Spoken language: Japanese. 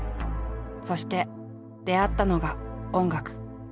そして出会ったのが音楽。